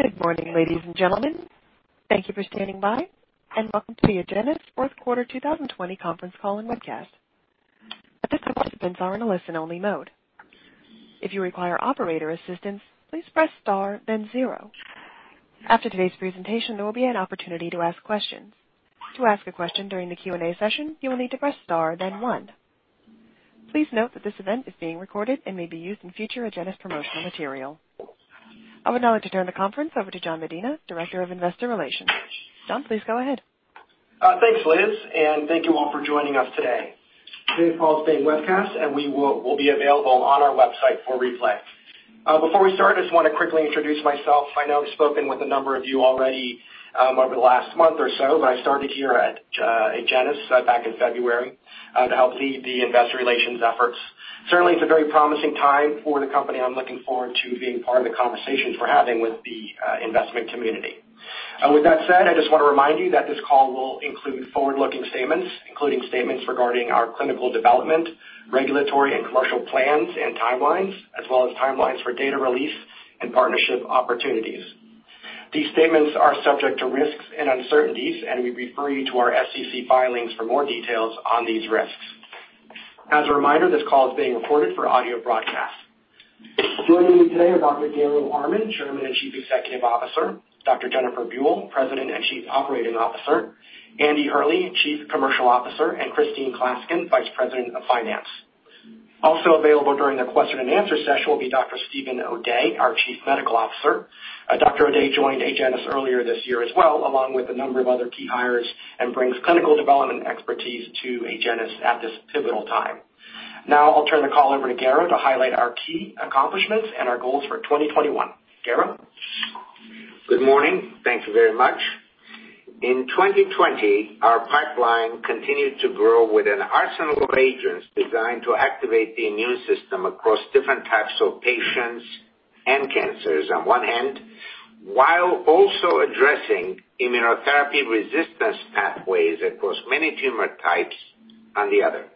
Good morning, ladies and gentlemen. Thank you for standing by. Welcome to the Agenus Fourth Quarter 2020 conference call and webcast. At this time, participants are in a listen-only mode. If you require operator assistance, please press star then zero. After today's presentation, there will be an opportunity to ask questions. To ask a question during the Q&A session, you will need to press star then one. Please note that this event is being recorded and may be used in future Agenus promotional material. I would now like to turn the conference over to Jan Medina, Director of Investor Relations. Jan, please go ahead. Thanks, Liz. Thank you all for joining us today. Today's call is being webcast, and we will be available on our website for replay. Before we start, I just want to quickly introduce myself. I know I've spoken with a number of you already over the last month or so, but I started here at Agenus back in February to help lead the investor relations efforts. Certainly, it's a very promising time for the company. I'm looking forward to being part of the conversations we're having with the investment community. With that said, I just want to remind you that this call will include forward-looking statements, including statements regarding our clinical development, regulatory and commercial plans and timelines, as well as timelines for data release and partnership opportunities. These statements are subject to risks and uncertainties, and we refer you to our SEC filings for more details on these risks. As a reminder, this call is being recorded for audio broadcast. Joining me today are Dr. Garo Armen, Chairman and Chief Executive Officer, Dr. Jennifer Buell, President and Chief Operating Officer, Andy Hurley, Chief Commercial Officer, and Christine Klaskin, Vice President of Finance. Also available during the question and answer session will be Dr. Steven O'Day, our Chief Medical Officer. Dr. O'Day joined Agenus earlier this year as well, along with a number of other key hires, and brings clinical development expertise to Agenus at this pivotal time. Now I'll turn the call over to Garo to highlight our key accomplishments and our goals for 2021. Garo? Good morning. Thank you very much. In 2020, our pipeline continued to grow with an arsenal of agents designed to activate the immune system across different types of patients and cancers on one hand, while also addressing immunotherapy resistance pathways across many tumor types on the other.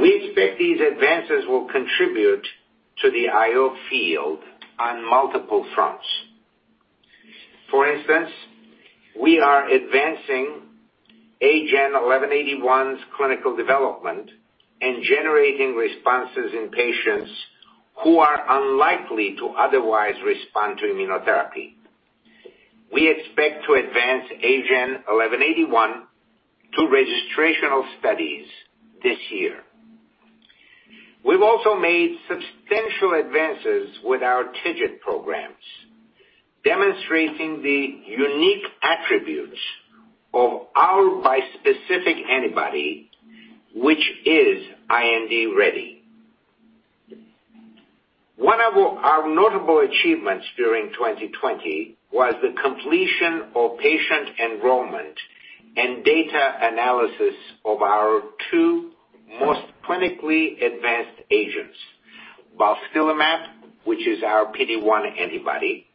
We expect these advances will contribute to the IO field on multiple fronts. For instance, we are advancing AGEN1181's clinical development and generating responses in patients who are unlikely to otherwise respond to immunotherapy. We expect to advance AGEN1181 to registrational studies this year. We've also made substantial advances with our TIGIT programs, demonstrating the unique attributes of our bispecific antibody, which is IND ready. One of our notable achievements during 2020 was the completion of patient enrollment and data analysis of our two most clinically advanced agents, balstilimab, which is our PD-1 antibody,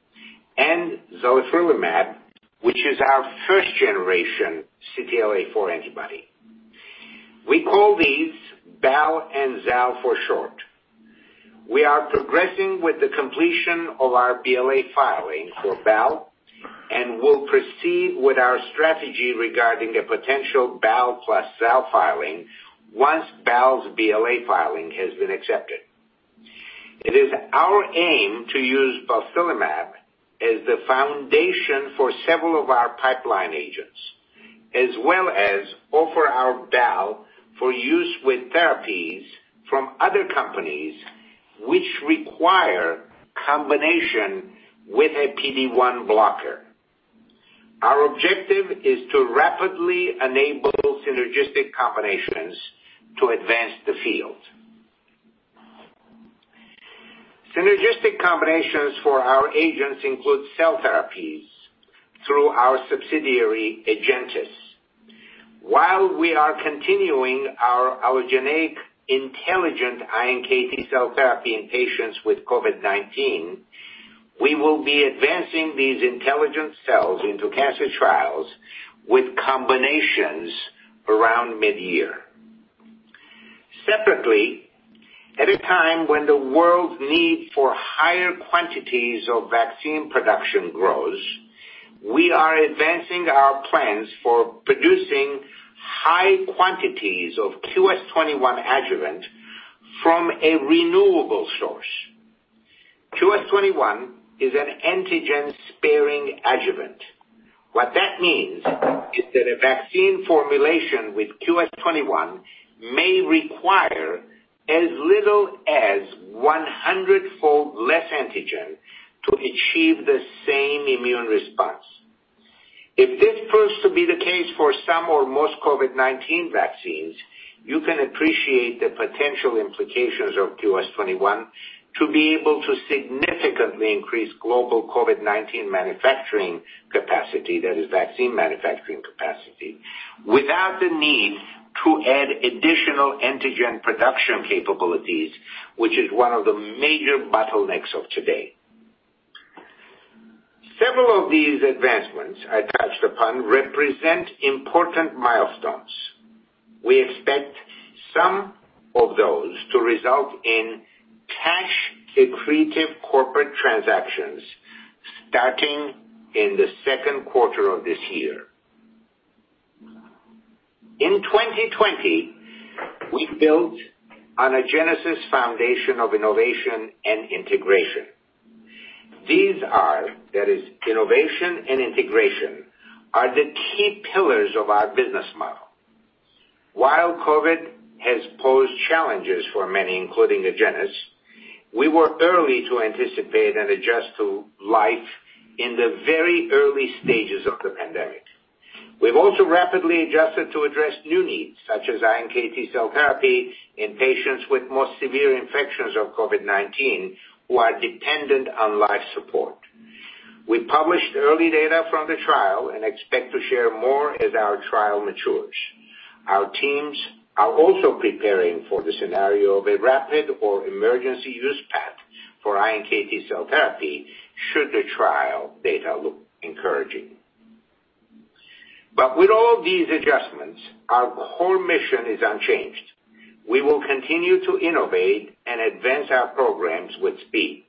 and zalifrelimab, which is our first generation CTLA-4 antibody. We call these BAL and ZAL for short. We are progressing with the completion of our BLA filing for BAL and will proceed with our strategy regarding a potential BAL plus ZAL filing once BAL's BLA filing has been accepted. It is our aim to use balstilimab as the foundation for several of our pipeline agents, as well as offer our BAL for use with therapies from other companies which require combination with a PD-1 blocker. Our objective is to rapidly enable synergistic combinations to advance the field. Synergistic combinations for our agents include cell therapies through our subsidiary, MiNK Therapeutics. While we are continuing our allogeneic iNKT cell therapy in patients with COVID-19, we will be advancing these intelligent cells into cancer trials with combinations around mid-year. Separately, at a time when the world's need for higher quantities of vaccine production grows, we are advancing our plans for producing high quantities of QS-21 adjuvant from a renewable source. QS-21 is an antigen-sparing adjuvant. What that means is that a vaccine formulation with QS-21 may require as little as 100-fold less antigen to achieve the same immune response. If this proves to be the case for some or most COVID-19 vaccines, you can appreciate the potential implications of QS-21 to be able to significantly increase global COVID-19 manufacturing capacity, that is vaccine manufacturing capacity, without the need to add additional antigen production capabilities, which is one of the major bottlenecks of today. Several of these advancements I touched upon represent important milestones. We expect some of those to result in cash accretive corporate transactions starting in the second quarter of this year. In 2020, we built on an Agenus foundation of innovation and integration. These are, innovation and integration, are the key pillars of our business model. While COVID has posed challenges for many, including Agenus, we were early to anticipate and adjust to life in the very early stages of the pandemic. We've also rapidly adjusted to address new needs, such as iNKT cell therapy in patients with more severe infections of COVID-19 who are dependent on life support. We published early data from the trial and expect to share more as our trial matures. Our teams are also preparing for the scenario of a rapid or emergency use path for iNKT cell therapy should the trial data look encouraging. With all these adjustments, our core mission is unchanged. We will continue to innovate and advance our programs with speed.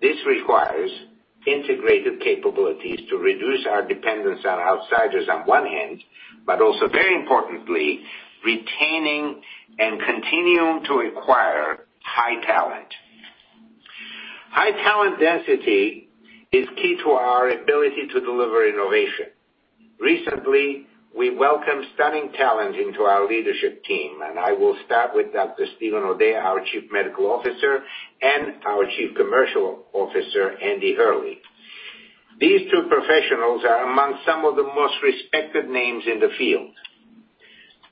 This requires integrated capabilities to reduce our dependence on outsiders on one hand, but also very importantly, retaining and continuing to acquire high talent. High talent density is key to our ability to deliver innovation. Recently, we welcomed stunning talent into our leadership team, and I will start with Dr. Steven O'Day, our Chief Medical Officer, and our Chief Commercial Officer, Andy Hurley. These two professionals are among some of the most respected names in the field.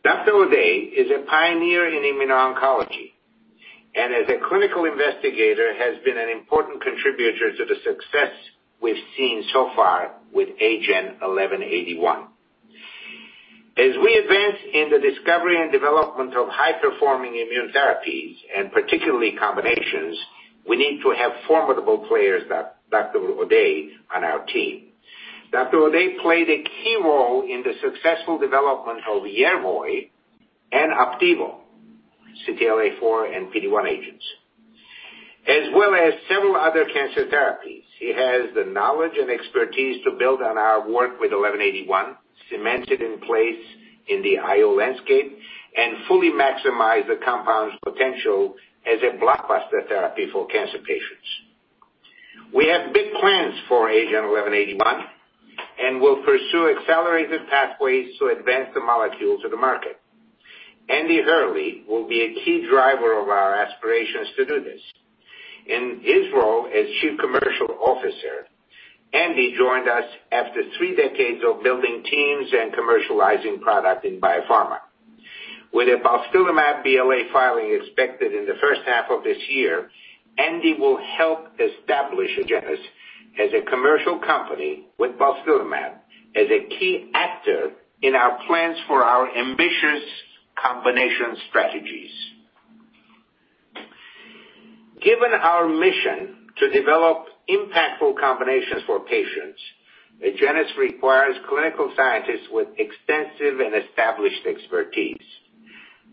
Dr. O'Day is a pioneer in immuno-oncology, and as a clinical investigator, has been an important contributor to the success we've seen so far with AGEN1181. As we advance in the discovery and development of high-performing immune therapies, and particularly combinations, we need to have formidable players like Dr. O'Day on our team. Dr. O'Day played a key role in the successful development of YERVOY and OPDIVO, CTLA-4 and PD-1 agents, as well as several other cancer therapies. He has the knowledge and expertise to build on our work with 1181, cement it in place in the IO landscape, and fully maximize the compound's potential as a blockbuster therapy for cancer patients. We have big plans for AGEN1181, will pursue accelerated pathways to advance the molecule to the market. Andy Hurley will be a key driver of our aspirations to do this. In his role as Chief Commercial Officer, Andy joined us after three decades of building teams and commercializing product in biopharma. With the balstilimab BLA filing expected in the first half of this year, Andy will help establish Agenus as a commercial company with balstilimab as a key actor in our plans for our ambitious combination strategies. Given our mission to develop impactful combinations for patients, Agenus requires clinical scientists with extensive and established expertise.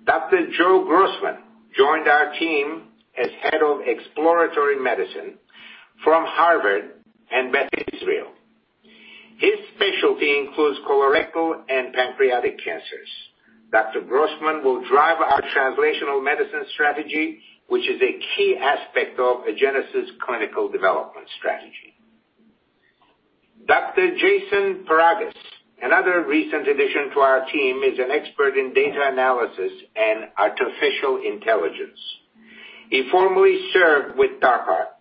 Dr. Joe Grossman joined our team as Head of Exploratory Medicine from Harvard and Beth Israel. His specialty includes colorectal and pancreatic cancers. Dr. Grossman will drive our translational medicine strategy, which is a key aspect of Agenus's clinical development strategy. Dr. Jason Paragas, another recent addition to our team, is an expert in data analysis and artificial intelligence. He formerly served with DARPA,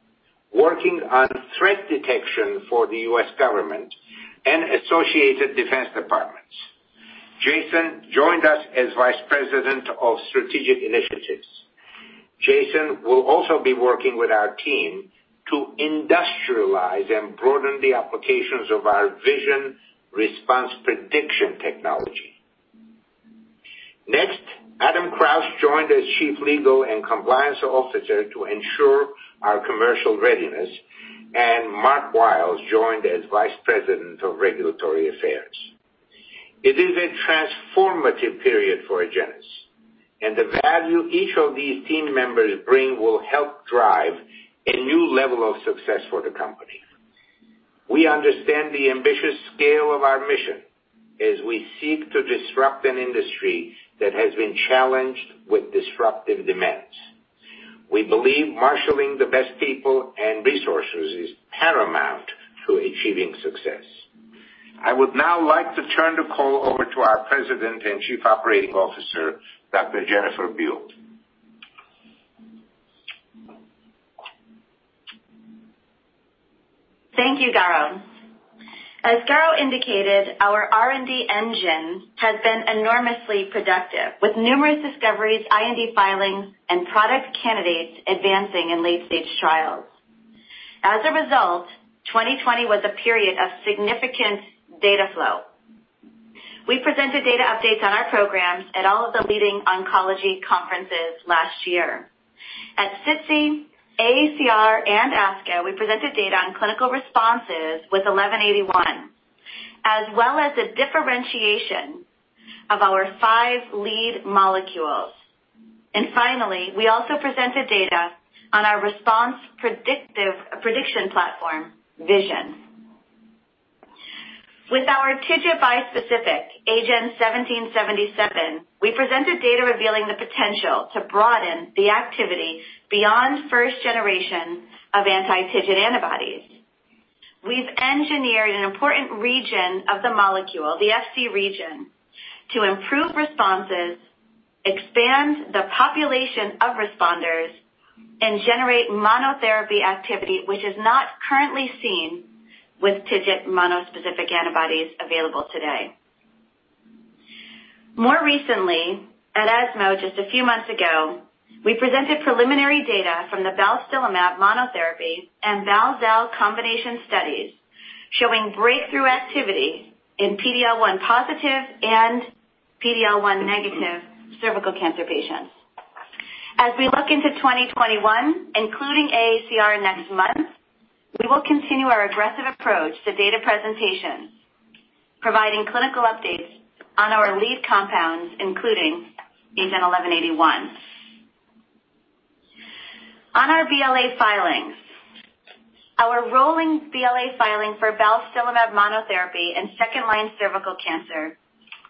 working on threat detection for the U.S. government and associated defense departments. Jason joined us as Vice President of Strategic Initiatives. Jason will also be working with our team to industrialize and broaden the applications of our Vision response prediction technology. Adam Krauss joined as Chief Legal and Compliance Officer to ensure our commercial readiness, and Marc Wiles joined as Vice President of Regulatory Affairs. It is a transformative period for Agenus, the value each of these team members bring will help drive a new level of success for the company. We understand the ambitious scale of our mission as we seek to disrupt an industry that has been challenged with disruptive demands. We believe marshaling the best people and resources is paramount to achieving success. I would now like to turn the call over to our President and Chief Operating Officer, Dr. Jennifer Buell. Thank you, Garo. As Garo indicated, our R&D engine has been enormously productive, with numerous discoveries, IND filings, and product candidates advancing in late-stage trials. As a result, 2020 was a period of significant data flow. We presented data updates on our programs at all of the leading oncology conferences last year. At SITC-AACR and ASCO, we presented data on clinical responses with 1181, as well as the differentiation of our five lead molecules. Finally, we also presented data on our response prediction platform, Vision. With our TIGIT bispecific, AGEN 1777, we presented data revealing the potential to broaden the activity beyond first generation of anti-TIGIT antibodies. We've engineered an important region of the molecule, the Fc region, to improve responses, expand the population of responders, and generate monotherapy activity, which is not currently seen with TIGIT mono-specific antibodies available today. More recently, at ESMO just a few months ago, we presented preliminary data from the balstilimab monotherapy and BAL-ZAL combination studies, showing breakthrough activity in PD-L1 positive and PD-L1 negative cervical cancer patients. We look into 2021, including AACR next month, we will continue our aggressive approach to data presentation, providing clinical updates on our lead compounds, including AGEN1181. On our BLA filings, our rolling BLA filing for balstilimab monotherapy and second-line cervical cancer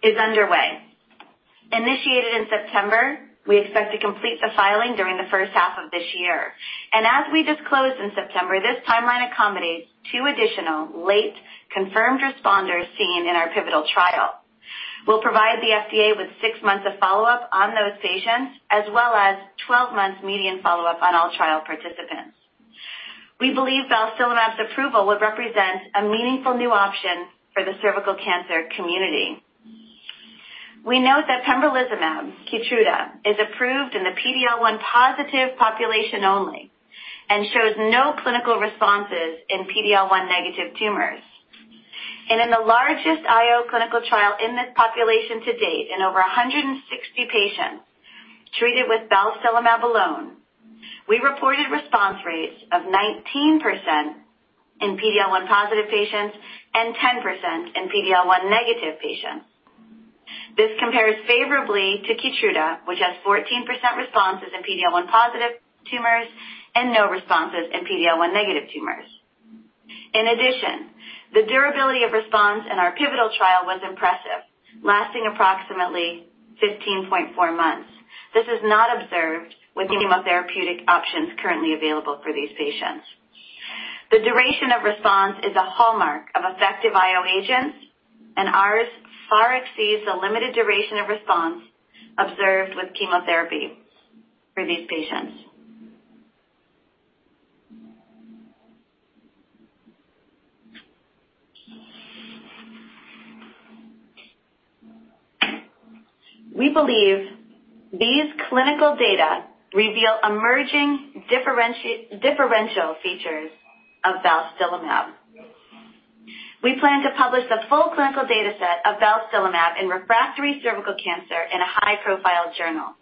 is underway. Initiated in September, we expect to complete the filing during the first half of this year. As we disclosed in September, this timeline accommodates two additional late confirmed responders seen in our pivotal trial. We'll provide the FDA with six months of follow-up on those patients, as well as 12 months median follow-up on all trial participants. We believe balstilimab's approval would represent a meaningful new option for the cervical cancer community. We note that pembrolizumab, KEYTRUDA, is approved in the PD-L1 positive population only and shows no clinical responses in PD-L1 negative tumors. In the largest IO clinical trial in this population to date, in over 160 patients treated with balstilimab alone, we reported response rates of 19% in PD-L1 positive patients and 10% in PD-L1 negative patients. This compares favorably to KEYTRUDA, which has 14% responses in PD-L1 positive tumors and no responses in PD-L1 negative tumors. In addition, the durability of response in our pivotal trial was impressive, lasting approximately 15.4 months. This is not observed with chemotherapeutic options currently available for these patients. The duration of response is a hallmark of effective IO agents, and ours far exceeds the limited duration of response observed with chemotherapy for these patients. We believe these clinical data reveal emerging differential features of balstilimab. We plan to publish the full clinical data set of balstilimab in refractory cervical cancer in a high-profile journal.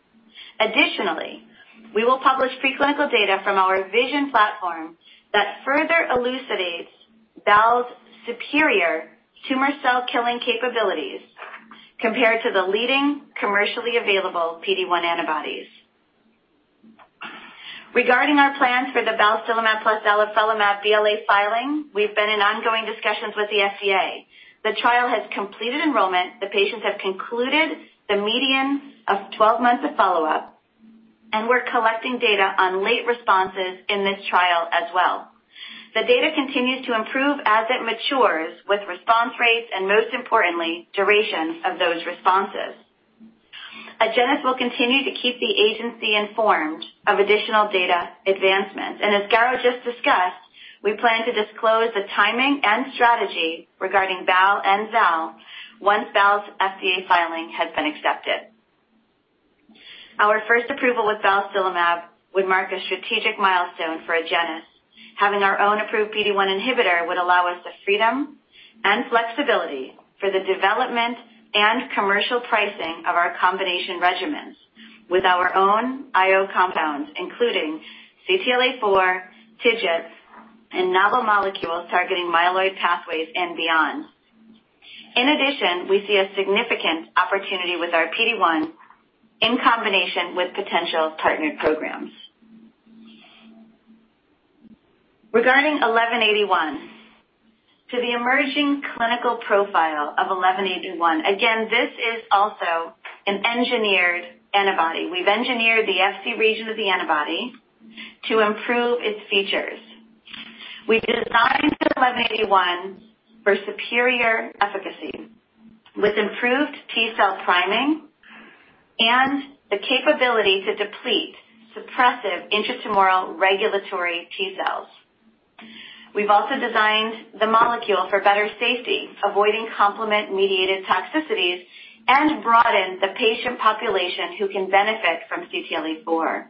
We will publish preclinical data from our Vision platform that further elucidates BAL's superior tumor cell killing capabilities compared to the leading commercially available PD-1 antibodies. Regarding our plans for the balstilimab plus zalifrelimab BLA filing, we've been in ongoing discussions with the FDA. The trial has completed enrollment, the patients have concluded the median of 12 months of follow-up, and we're collecting data on late responses in this trial as well. The data continues to improve as it matures with response rates, and most importantly, durations of those responses. Agenus will continue to keep the agency informed of additional data advancements. As Garo just discussed, we plan to disclose the timing and strategy regarding BAL and ZAL once BAL's FDA filing has been accepted. Our first approval with balstilimab would mark a strategic milestone for Agenus. Having our own approved PD-1 inhibitor would allow us the freedom and flexibility for the development and commercial pricing of our combination regimens with our own IO compounds, including CTLA-4, TIGIT, and novel molecules targeting myeloid pathways and beyond. In addition, we see a significant opportunity with our PD-1 in combination with potential partnered programs. Regarding 1181, to the emerging clinical profile of 1181, again, this is also an engineered antibody. We've engineered the Fc region of the antibody to improve its features. We've designed the 1181 for superior efficacy with improved T cell priming and the capability to deplete suppressive intratumoral regulatory T cells. We've also designed the molecule for better safety, avoiding complement-mediated toxicities, and broaden the patient population who can benefit from CTLA-4.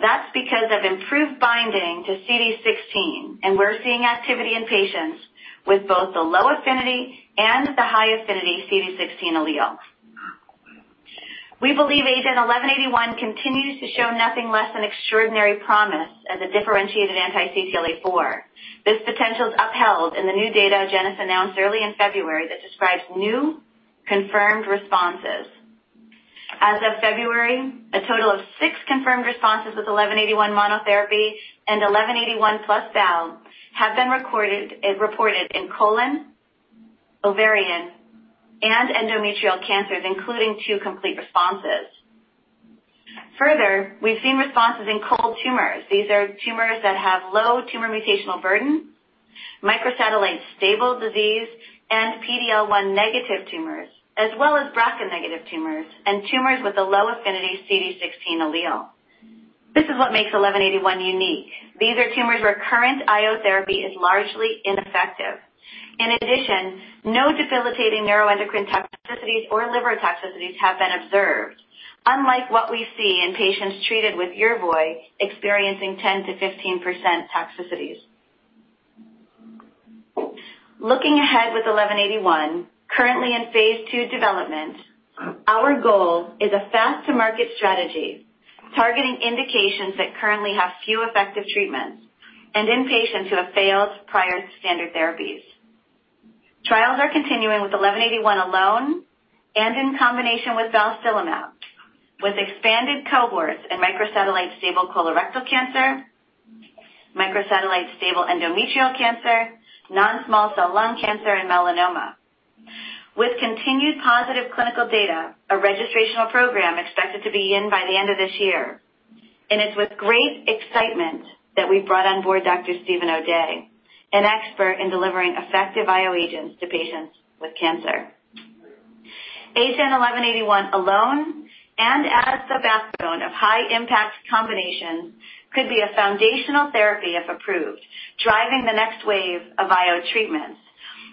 That's because of improved binding to CD16, and we're seeing activity in patients with both the low affinity and the high affinity CD16 allele. We believe AGEN1181 continues to show nothing less than extraordinary promise as a differentiated anti-CTLA-4. This potential is upheld in the new data Agenus announced early in February that describes new confirmed responses. As of February, a total of six confirmed responses with 1181 monotherapy and 1181 plus BAL have been reported in colon, ovarian, and endometrial cancers, including two complete responses. We've seen responses in cold tumors. These are tumors that have low tumor mutational burden, microsatellite stable disease, and PD-L1 negative tumors, as well as BRCA negative tumors and tumors with a low-affinity CD16 allele. This is what makes 1181 unique. These are tumors where current IO therapy is largely ineffective. In addition, no debilitating neuroendocrine toxicities or liver toxicities have been observed, unlike what we see in patients treated with YERVOY experiencing 10%-15% toxicities. Looking ahead with 1181, currently in phase II development, our goal is a fast-to-market strategy targeting indications that currently have few effective treatments and in patients who have failed prior standard therapies. Trials are continuing with 1181 alone and in combination with balstilimab, with expanded cohorts in microsatellite stable colorectal cancer, microsatellite stable endometrial cancer, non-small cell lung cancer, and melanoma. With continued positive clinical data, a registrational program expected to begin by the end of this year, and it's with great excitement that we brought on board Dr. Steven O'Day, an expert in delivering effective IO agents to patients with cancer. AGEN1181 alone and as the backbone of high impact combinations could be a foundational therapy if approved, driving the next wave of IO treatments.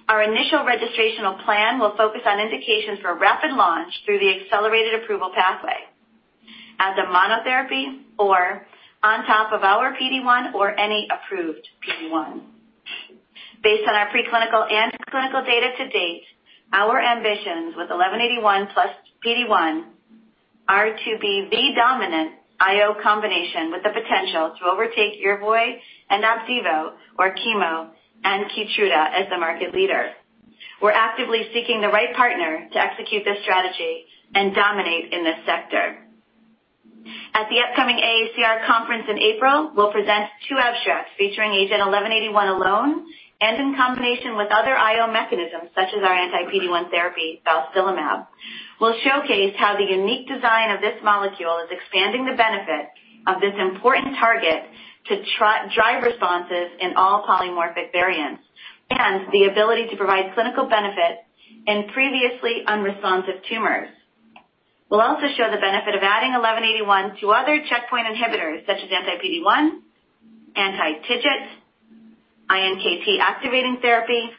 Our initial registrational plan will focus on indications for rapid launch through the accelerated approval pathway as a monotherapy or on top of our PD-1 or any approved PD-1. Based on our preclinical and clinical data to date, our ambitions with 1181 plus PD-1 are to be the dominant IO combination with the potential to overtake YERVOY and OPDIVO or chemo and KEYTRUDA as the market leader. We're actively seeking the right partner to execute this strategy and dominate in this sector. At the upcoming AACR conference in April, we'll present two abstracts featuring AGEN1181 alone and in combination with other IO mechanisms, such as our anti-PD-1 therapy, balstilimab. We'll showcase how the unique design of this molecule is expanding the benefit of this important target to drive responses in all polymorphic variants and the ability to provide clinical benefit in previously unresponsive tumors. We'll also show the benefit of adding AGEN1181 to other checkpoint inhibitors such as anti-PD-1, anti-TIGIT, iNKT activating therapy,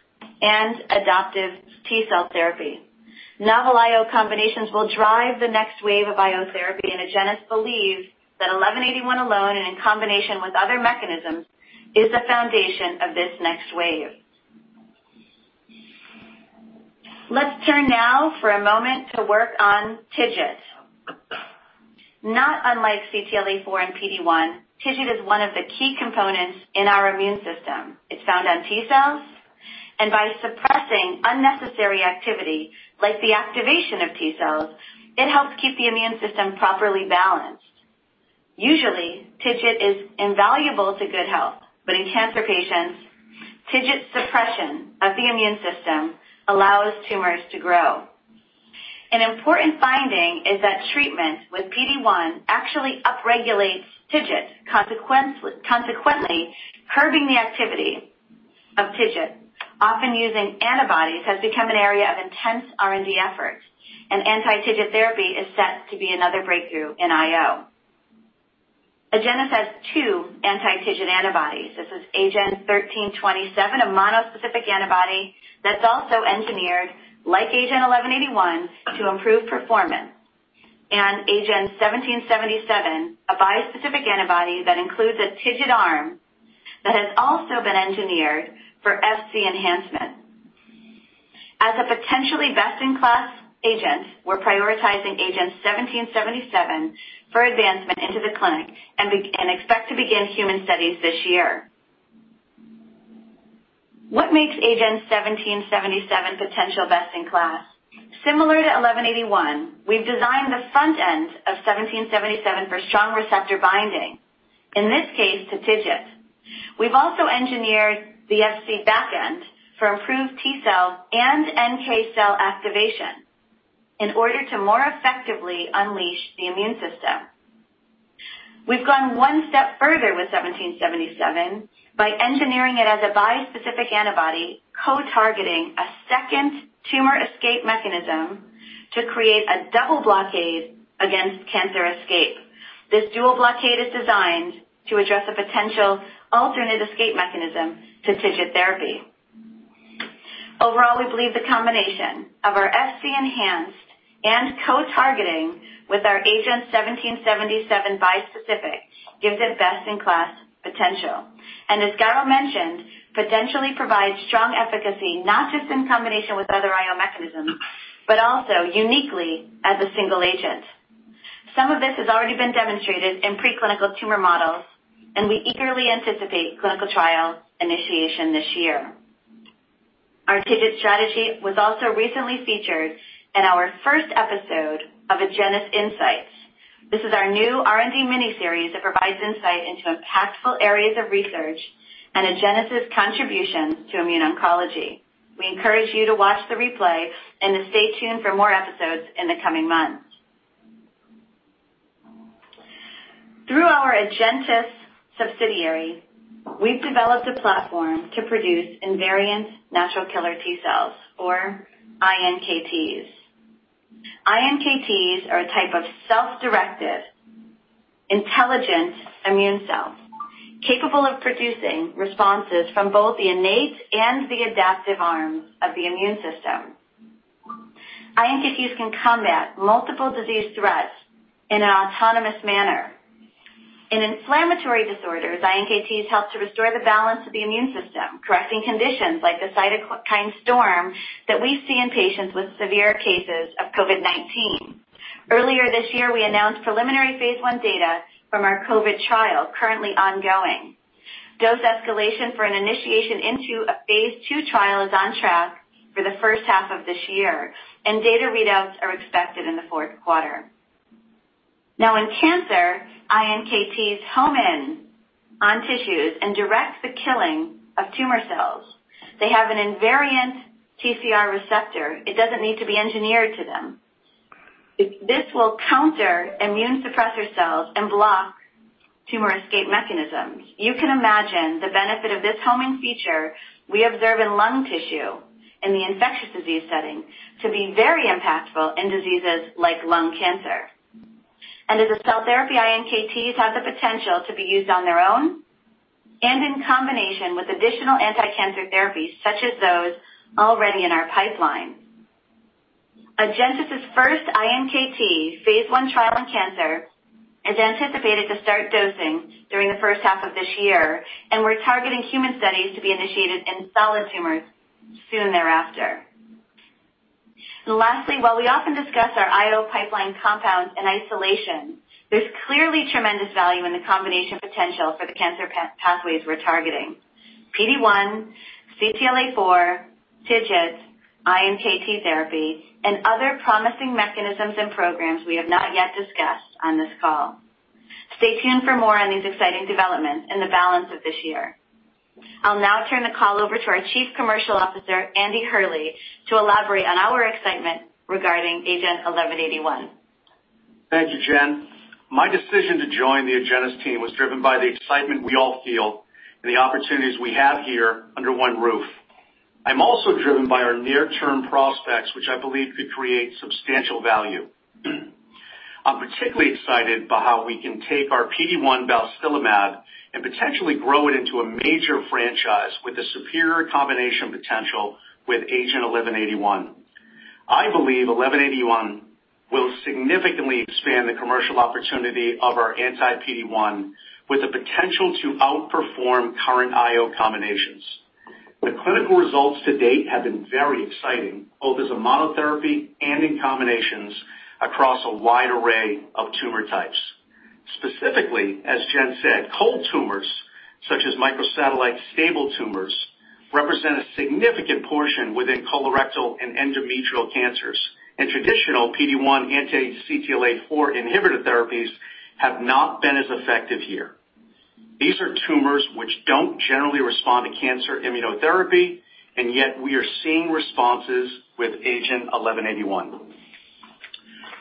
and adoptive T-cell therapy. Novel IO combinations will drive the next wave of IO therapy, and Agenus believes that AGEN1181 alone and in combination with other mechanisms is the foundation of this next wave. Let's turn now for a moment to work on TIGIT. Not unlike CTLA-4 and PD-1, TIGIT is one of the key components in our immune system. It's found on T-cells, and by suppressing unnecessary activity, like the activation of T-cells, it helps keep the immune system properly balanced. Usually, TIGIT is invaluable to good health, but in cancer patients, TIGIT suppression of the immune system allows tumors to grow. An important finding is that treatment with PD-1 actually upregulates TIGIT, consequently curbing the activity of TIGIT. Often using antibodies has become an area of intense R&D effort. Anti-TIGIT therapy is set to be another breakthrough in IO. Agenus has two anti-TIGIT antibodies. This is AGEN1327, a monospecific antibody that's also engineered, like AGEN1181, to improve performance, and AGEN1777, a bispecific antibody that includes a TIGIT arm that has also been engineered for Fc enhancement. As a potentially best-in-class agent, we're prioritizing AGEN1777 for advancement into the clinic and expect to begin human studies this year. What makes AGEN1777 potential best in class? Similar to 1181, we've designed the front end of 1777 for strong receptor binding, in this case, to TIGIT. We've also engineered the Fc back end for improved T-cell and NK cell activation in order to more effectively unleash the immune system. We've gone one step further with 1777 by engineering it as a bispecific antibody co-targeting a second tumor escape mechanism to create a double blockade against cancer escape. This dual blockade is designed to address a potential alternate escape mechanism to TIGIT therapy. Overall, we believe the combination of our Fc enhanced and co-targeting with our AGEN1777 bispecific gives it best-in-class potential. As Garo mentioned, potentially provide strong efficacy not just in combination with other IO mechanisms, but also uniquely as a single agent. Some of this has already been demonstrated in preclinical tumor models, and we eagerly anticipate clinical trial initiation this year. Our TIGIT strategy was also recently featured in our first episode of Agenus Insights. This is our new R&D miniseries that provides insight into impactful areas of research and Agenus' contribution to immuno-oncology. We encourage you to watch the replay and to stay tuned for more episodes in the coming months. Through our MiNK Therapeutics subsidiary, we've developed a platform to produce invariant natural killer T cells, or iNKTs. iNKTs are a type of self-directed, intelligent immune cell capable of producing responses from both the innate and the adaptive arms of the immune system. iNKTs can combat multiple disease threats in an autonomous manner. In inflammatory disorders, iNKTs help to restore the balance of the immune system, correcting conditions like the cytokine storm that we see in patients with severe cases of COVID-19. Earlier this year, we announced preliminary phase I data from our COVID trial currently ongoing. Dose escalation for an initiation into a phase II trial is on track for the first half of this year. Data readouts are expected in the fourth quarter. In cancer, iNKTs home in on tissues and direct the killing of tumor cells. They have an invariant TCR receptor. It doesn't need to be engineered to them. This will counter immune suppressor cells and block tumor escape mechanisms. You can imagine the benefit of this homing feature we observe in lung tissue in the infectious disease setting to be very impactful in diseases like lung cancer. As a cell therapy, iNKTs have the potential to be used on their own and in combination with additional anti-cancer therapies, such as those already in our pipeline. Agenus' first iNKT phase I trial in cancer is anticipated to start dosing during the first half of this year, and we're targeting human studies to be initiated in solid tumors soon thereafter. Lastly, while we often discuss our IO pipeline compounds in isolation, there's clearly tremendous value in the combination potential for the cancer pathways we're targeting. PD-1, CTLA-4, TIGIT, iNKT therapy, and other promising mechanisms and programs we have not yet discussed on this call. Stay tuned for more on these exciting developments in the balance of this year. I'll now turn the call over to our Chief Commercial Officer, Andy Hurley, to elaborate on our excitement regarding AGEN1181. Thank you, Jen. My decision to join the Agenus team was driven by the excitement we all feel and the opportunities we have here under one roof. I'm also driven by our near-term prospects, which I believe could create substantial value. I'm particularly excited by how we can take our PD-1 balstilimab and potentially grow it into a major franchise with a superior combination potential with AGEN1181. I believe 1181 will significantly expand the commercial opportunity of our anti-PD-1, with the potential to outperform current IO combinations. The clinical results to date have been very exciting, both as a monotherapy and in combinations across a wide array of tumor types. Specifically, as Jen said, cold tumors, such as microsatellite stable tumors, represent a significant portion within colorectal and endometrial cancers, and traditional PD-1/anti-CTLA-4 inhibitor therapies have not been as effective here. These are tumors which don't generally respond to cancer immunotherapy, and yet we are seeing responses with AGEN1181.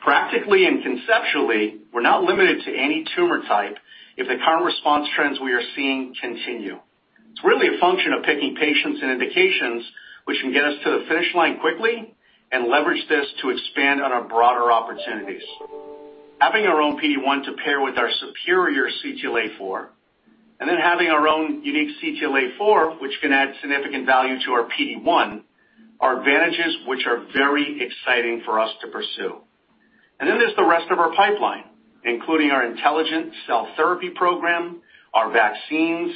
Practically and conceptually, we're not limited to any tumor type if the current response trends we are seeing continue. It's really a function of picking patients and indications which can get us to the finish line quickly and leverage this to expand on our broader opportunities. Having our own PD-1 to pair with our superior CTLA-4, and then having our own unique CTLA-4, which can add significant value to our PD-1, are advantages which are very exciting for us to pursue. There's the rest of our pipeline, including our intelligent cell therapy program, our vaccines,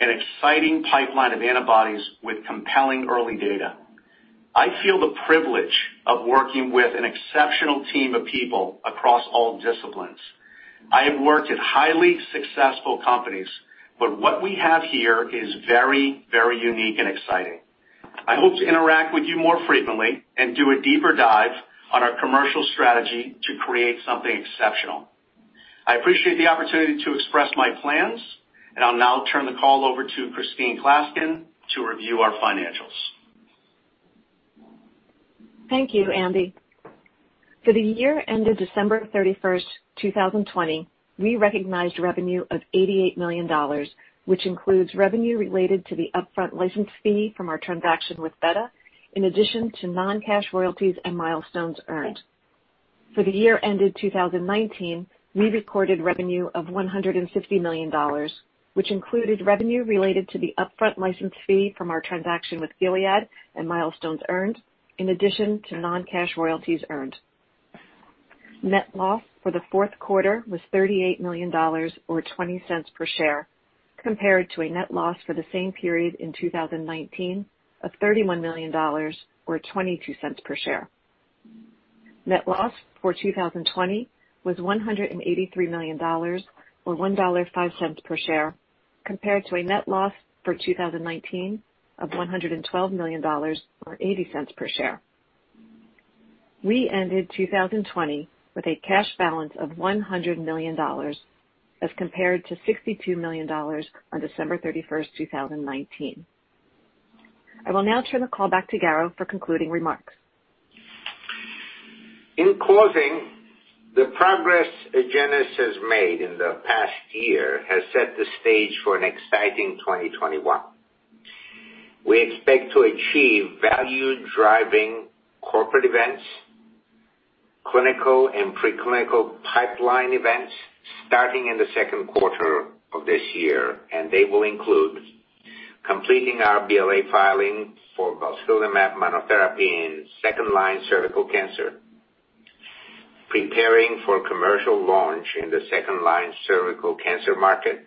an exciting pipeline of antibodies with compelling early data. I feel the privilege of working with an exceptional team of people across all disciplines. I have worked at highly successful companies, what we have here is very, very unique and exciting. I hope to interact with you more frequently and do a deeper dive on our commercial strategy to create something exceptional. I appreciate the opportunity to express my plans, and I'll now turn the call over to Christine Klaskin to review our financials. Thank you, Andy. For the year ended December 31st, 2020, we recognized revenue of $88 million, which includes revenue related to the upfront license fee from our transaction with Betta, in addition to non-cash royalties and milestones earned. For the year ended 2019, we recorded revenue of $150 million, which included revenue related to the upfront license fee from our transaction with Gilead and milestones earned, in addition to non-cash royalties earned. Net loss for the fourth quarter was $38 million, or $0.20 per share, compared to a net loss for the same period in 2019 of $31 million, or $0.22 per share. Net loss for 2020 was $183 million, or $1.05 per share, compared to a net loss for 2019 of $112 million, or $0.80 per share. We ended 2020 with a cash balance of $100 million as compared to $62 million on December 31st, 2019. I will now turn the call back to Garo for concluding remarks. In closing, the progress Agenus has made in the past year has set the stage for an exciting 2021. We expect to achieve value-driving corporate events, clinical and preclinical pipeline events starting in the second quarter of this year. They will include completing our BLA filing for balstilimab monotherapy in second line cervical cancer, preparing for commercial launch in the second line cervical cancer market,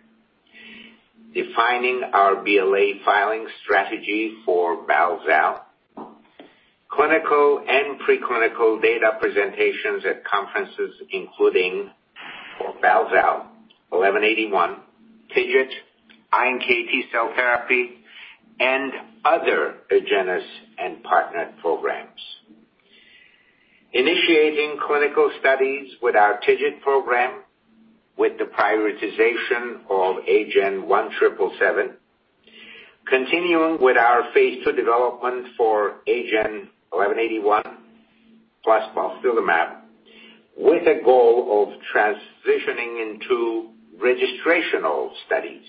defining our BLA filing strategy for BAL-ZAL, clinical and preclinical data presentations at conferences including for BAL-ZAL, 1181, TIGIT, iNKT cell therapy, and other Agenus and partner programs. Initiating clinical studies with our TIGIT program with the prioritization of AGEN1777. Continuing with our phase II development for AGEN 1181 plus balstilimab with a goal of transitioning into registrational studies.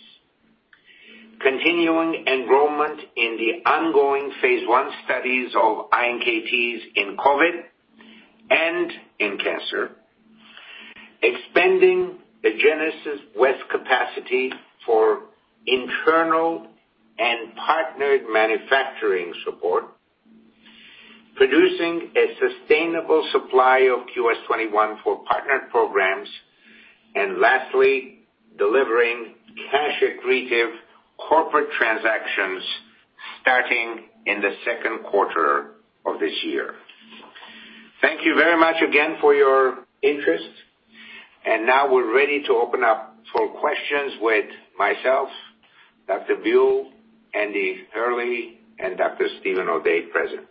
Continuing enrollment in the ongoing phase I studies of iNKTs in COVID and in cancer. Expanding Agenus West capacity for internal and partnered manufacturing support. Producing a sustainable supply of QS-21 for partnered programs. Lastly, delivering cash-accretive corporate transactions starting in the second quarter of this year. Thank you very much again for your interest. Now, we're ready to open up for questions with myself, Dr. Buell, Andy Hurley, and Dr. Steven O'Day present.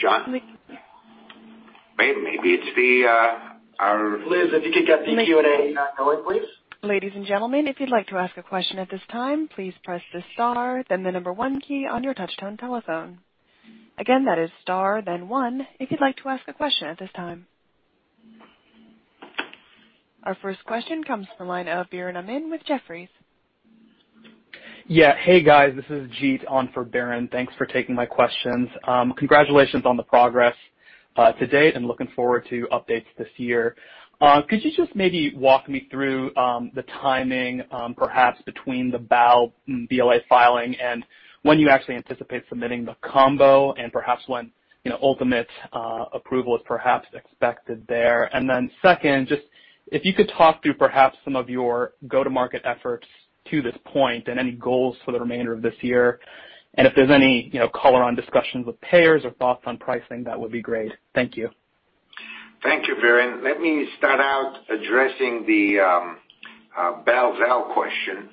Jan? Liz, if you could get the Q&A going, please. Ladies and gentlemen, if you'd like to ask a question at this time, please press the star then the number one key on your touchtone telephone. That is star then one if you'd like to ask a question at this time. Our first question comes from the line of Biren Amin with Jefferies. Yeah. Hey, guys, this is Jeet on for Biren. Thanks for taking my questions. Congratulations on the progress to date and looking forward to updates this year. Could you just maybe walk me through the timing perhaps between the BAL-BLA filing and when you actually anticipate submitting the combo and perhaps when ultimate approval is perhaps expected there? Second, just if you could talk through perhaps some of your go-to-market efforts to this point and any goals for the remainder of this year, and if there's any color on discussions with payers or thoughts on pricing, that would be great. Thank you. Thank you, Biren. Let me start out addressing the BAL-ZAL question.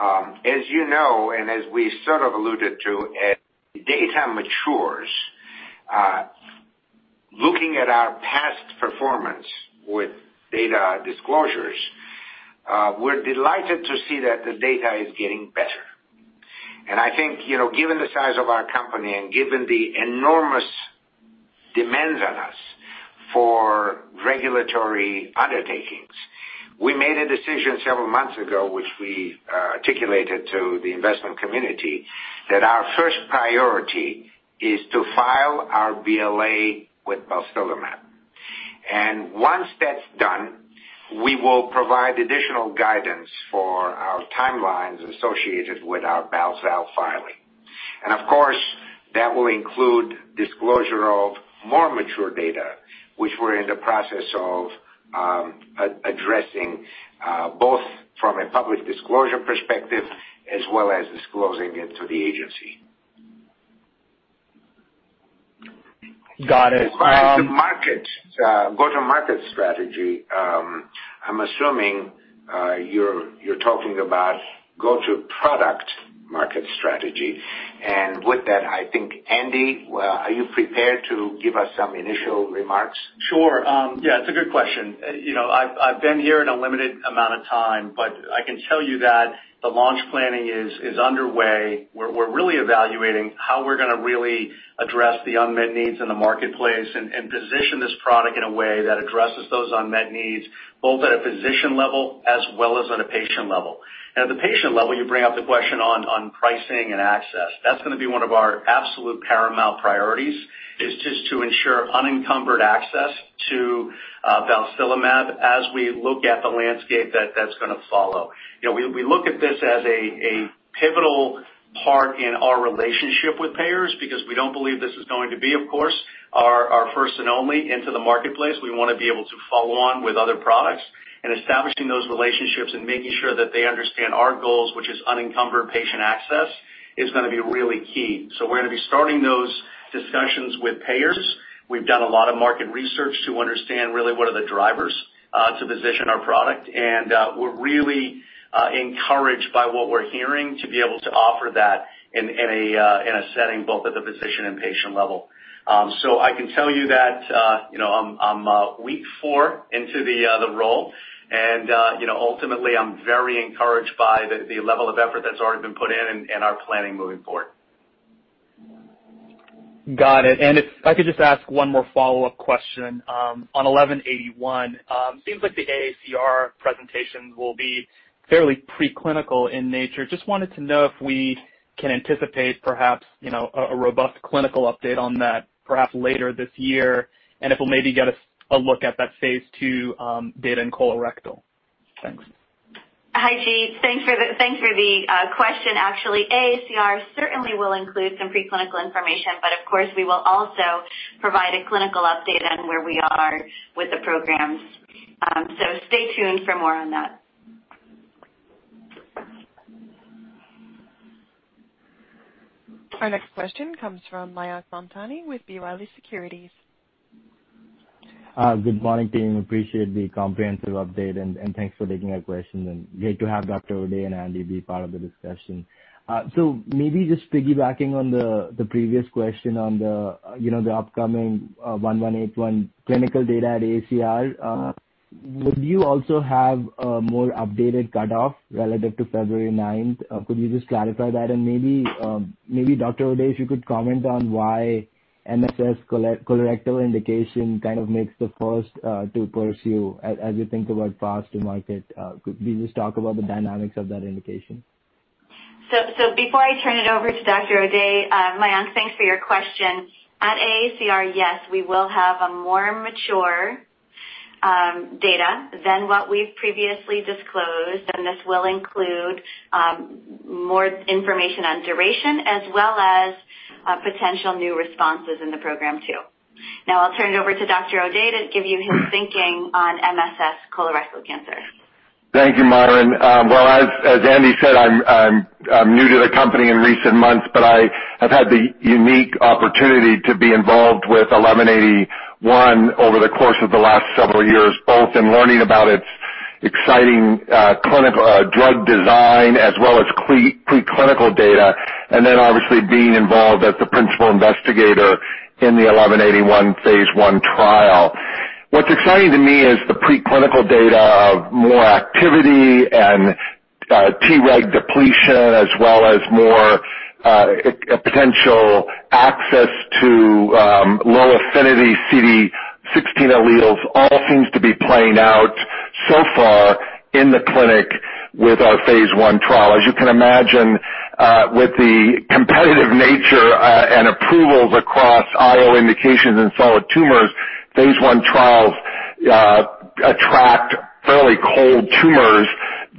As you know, as we sort of alluded to, as data matures, looking at our past performance with data disclosures, we're delighted to see that the data is getting better. I think, given the size of our company and given the enormous demands on us for regulatory undertakings, we made a decision several months ago, which we articulated to the investment community, that our first priority is to file our BLA with balstilimab. Once that's done, we will provide additional guidance for our timelines associated with our BAL-ZAL filing. Of course, that will include disclosure of more mature data, which we're in the process of addressing, both from a public disclosure perspective as well as disclosing it to the agency. Got it. As far as the go-to-market strategy, I'm assuming you're talking about go-to-product market strategy. With that, I think, Andy, are you prepared to give us some initial remarks? Sure. Yeah, it's a good question. I've been here in a limited amount of time, but I can tell you that the launch planning is underway. We're really evaluating how we're going to really address the unmet needs in the marketplace and position this product in a way that addresses those unmet needs, both at a physician level as well as at a patient level. At the patient level, you bring up the question on pricing and access. That's going to be one of our absolute paramount priorities, is just to ensure unencumbered access to balstilimab as we look at the landscape that's going to follow. We look at this as a pivotal Part in our relationship with payers, because we don't believe this is going to be, of course, our first and only into the marketplace. We want to be able to follow on with other products and establishing those relationships and making sure that they understand our goals, which is unencumbered patient access, is going to be really key. We're going to be starting those discussions with payers. We've done a lot of market research to understand really what are the drivers to position our product, and we're really encouraged by what we're hearing to be able to offer that in a setting both at the physician and patient level. I can tell you that I'm week four into the role and ultimately I'm very encouraged by the level of effort that's already been put in and our planning moving forward. Got it. If I could just ask one more follow-up question on AGEN1181. Seems like the AACR presentations will be fairly pre-clinical in nature. Just wanted to know if we can anticipate perhaps, a robust clinical update on that perhaps later this year, and if we'll maybe get a look at that phase II data in colorectal. Thanks. Hi, Jeet. Thanks for the question. Actually, AACR certainly will include some pre-clinical information, but of course, we will also provide a clinical update on where we are with the programs. Stay tuned for more on that. Our next question comes from Mayank Mamtani with B. Riley Securities. Good morning, team. Appreciate the comprehensive update and thanks for taking our questions. Great to have Dr. O'Day and Andy be part of the discussion. Maybe just piggybacking on the previous question on the upcoming 1181 clinical data at AACR. Would you also have a more updated cutoff relative to February 9th? Could you just clarify that and maybe, Dr. O'Day, if you could comment on why MSS colorectal indication kind of makes the first to pursue as you think about path to market. Could we just talk about the dynamics of that indication? Before I turn it over to Dr. O'Day, Mayank, thanks for your question. At AACR, yes, we will have a more mature data than what we've previously disclosed, and this will include more information on duration as well as potential new responses in the program too. Now I'll turn it over to Dr. O'Day to give you his thinking on MSS colorectal cancer. Thank you, Mayank. As Andy said, I'm new to the company in recent months, but I've had the unique opportunity to be involved with AGEN1181 over the course of the last several years, both in learning about its exciting clinical drug design as well as pre-clinical data, obviously being involved as the principal investigator in the AGEN1181 phase I trial. What's exciting to me is the pre-clinical data of more activity and T-reg depletion, as well as more potential access to low affinity CD16 alleles all seems to be playing out so far in the clinic with our phase I trial. As you can imagine, with the competitive nature, and approvals across IO indications and phase I trials attract fairly cold tumors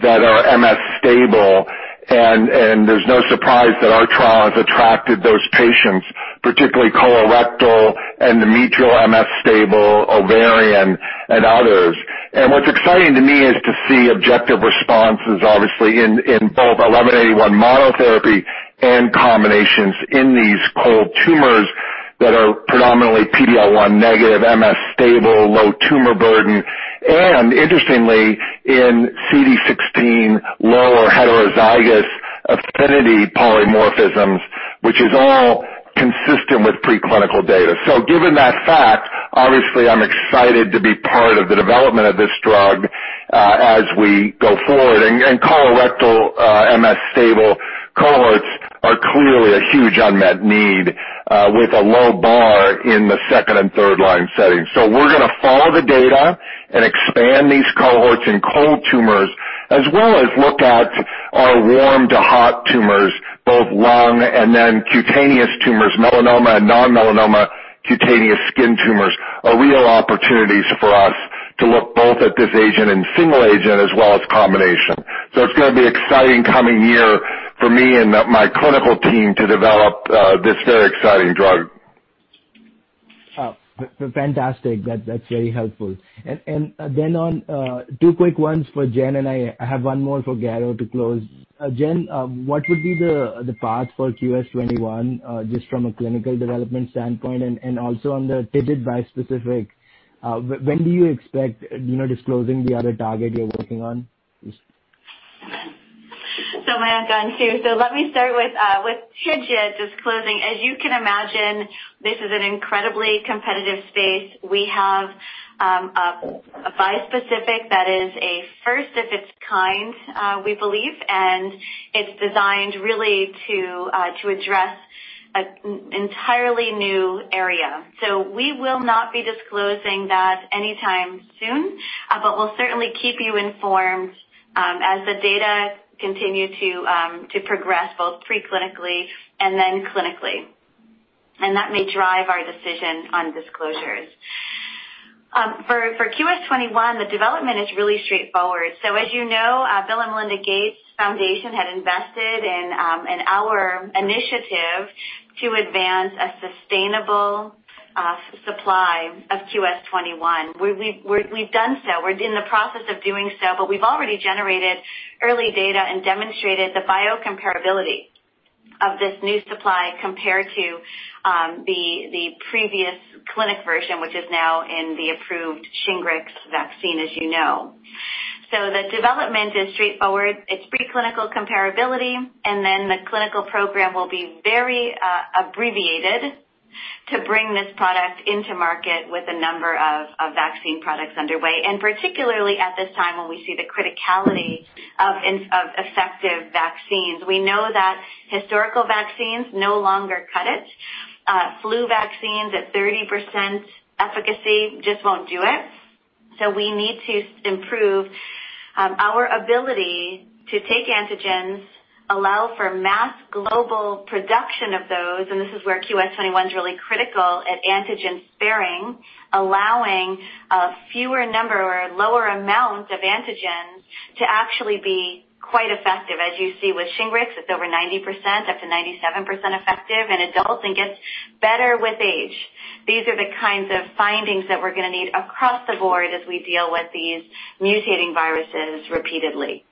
that are MS stable, and there's no surprise that our trial has attracted those patients, particularly colorectal and the microsatellite MS stable, ovarian, and others. What's exciting to me is to see objective responses, obviously in both AGEN1181 monotherapy and combinations in these cold tumors that are predominantly PD-L1 negative, MS stable, low tumor burden, and interestingly, in CD16 lower heterozygous affinity polymorphisms, which is all consistent with pre-clinical data. Given that fact, obviously, I'm excited to be part of the development of this drug as we go forward. Colorectal MS stable cohorts are clearly a huge unmet need with a low bar in the second and third line settings. We're going to follow the data and expand these cohorts in cold tumors, as well as look at our warm to hot tumors, both lung and then cutaneous tumors, melanoma and non-melanoma cutaneous skin tumors are real opportunities for us to look both at this agent and single agent as well as combination. It's going to be exciting coming year for me and my clinical team to develop this very exciting drug. Fantastic. That's very helpful. On two quick ones for Jen, and I have one more for Garo to close. Jen, what would be the path for QS-21, just from a clinical development standpoint, and also on the TIGIT bispecific, when do you expect disclosing the other target you're working on? Mayank, on two. Let me start with TIGIT disclosing. As you can imagine, this is an incredibly competitive space. We have a bispecific that is a first of its kind, we believe, and it's designed really to address an entirely new area. We will not be disclosing that anytime soon, but we'll certainly keep you informed as the data continue to progress both pre-clinically and then clinically. That may drive our decision on disclosures. For QS-21, the development is really straightforward. As you know, Bill & Melinda Gates Foundation had invested in our initiative to advance a sustainable supply of QS-21. We've done so. We're in the process of doing so, but we've already generated early data and demonstrated the biocompatibility of this new supply compared to the previous clinic version, which is now in the approved SHINGRIX vaccine, as you know. The development is straightforward. It's preclinical comparability, and then the clinical program will be very abbreviated to bring this product into market with a number of vaccine products underway, and particularly at this time when we see the criticality of effective vaccines. We know that historical vaccines no longer cut it. Flu vaccines at 30% efficacy just won't do it. We need to improve our ability to take antigens, allow for mass global production of those, and this is where QS-21 is really critical at antigen sparing, allowing a fewer number or a lower amount of antigens to actually be quite effective. As you see with SHINGRIX, it's over 90%, up to 97% effective in adults and gets better with age. These are the kinds of findings that we're going to need across the board as we deal with these mutating viruses repeatedly.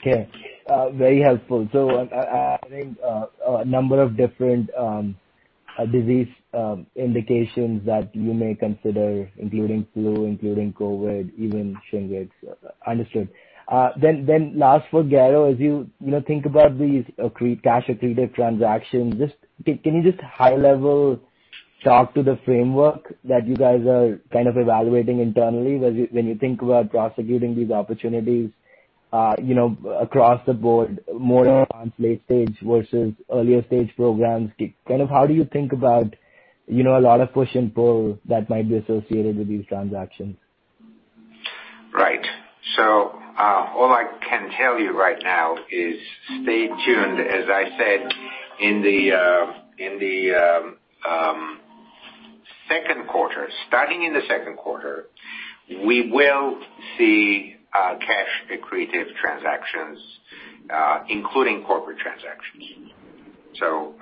Okay. Very helpful. I think a number of different disease indications that you may consider including flu, including COVID, even SHINGRIX. Understood. Last for Garo, as you think about these cash accretive transactions, can you just high level talk to the framework that you guys are kind of evaluating internally when you think about prosecuting these opportunities across the board, more late stage versus earlier stage programs? How do you think about a lot of push and pull that might be associated with these transactions? Right. All I can tell you right now is stay tuned. As I said, starting in the second quarter, we will see cash accretive transactions, including corporate transactions.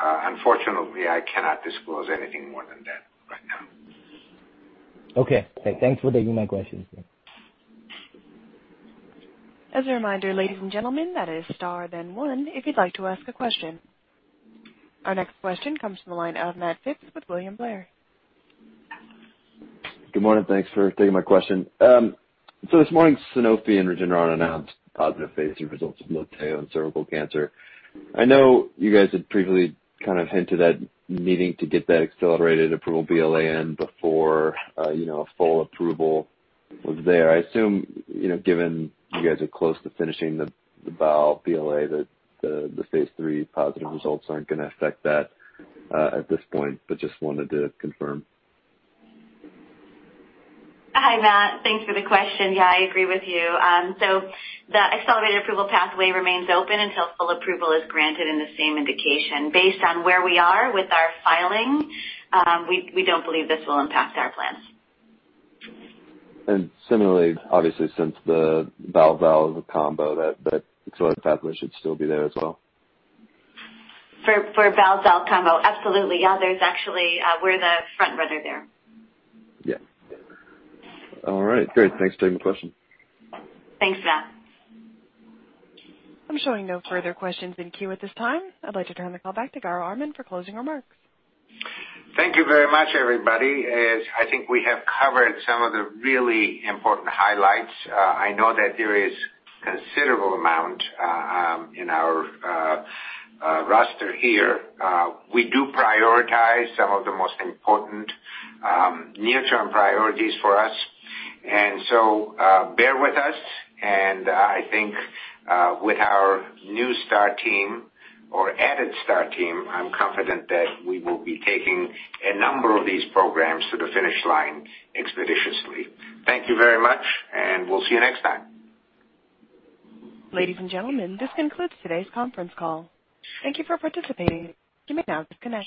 Unfortunately I cannot disclose anything more than that right now. Okay. Thanks for taking my questions. As a reminder, ladies and gentlemen, that is star then one if you'd like to ask a question. Our next question comes from the line of Matt Phipps with William Blair. Good morning. Thanks for taking my question. This morning, Sanofi and Regeneron announced positive phase III results of Motego in cervical cancer. I know you guys had previously kind of hinted at needing to get that accelerated approval BLA in before a full approval was there. I assume, given you guys are close to finishing the BAL-BLA, that the phase III positive results aren't going to affect that at this point, but just wanted to confirm. Hi, Matt. Thanks for the question. Yeah, I agree with you. The accelerated approval pathway remains open until full approval is granted in the same indication. Based on where we are with our filing, we don't believe this will impact our plans. Similarly, obviously since the BAL-ZAL combo, that accelerated pathway should still be there as well? For BAL-ZAL combo, absolutely. Yeah, actually, we're the front-runner there. Yeah. All right, great. Thanks for taking the question. Thanks, Matt. I'm showing no further questions in queue at this time. I'd like to turn the call back to Garo Armen for closing remarks. Thank you very much, everybody. As I think we have covered some of the really important highlights. I know that there is considerable amount in our roster here. We do prioritize some of the most important near-term priorities for us, and so bear with us, and I think with our new star team or added star team, I am confident that we will be taking a number of these programs to the finish line expeditiously. Thank you very much, and we will see you next time. Ladies and gentlemen, this concludes today's conference call. Thank you for participating. You may now disconnect.